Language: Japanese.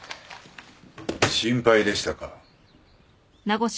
心配でしたか。